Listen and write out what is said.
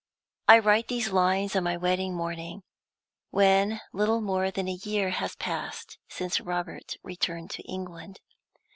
I write these lines on my wedding morning, when little more than a year has passed since Robert returned to England.